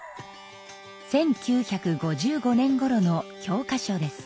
１９５５年ごろの教科書です。